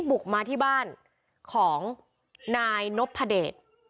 บุกมาที่บ้านของนายนพเดช